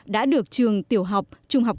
đã được trường tiểu học trung học